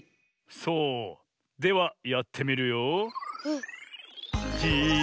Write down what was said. そうではやってみるよ。